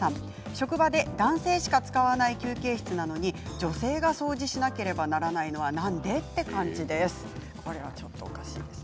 職場で男性しか使わない休憩室なのに女性が掃除しなくてはならないのは何で？ということです。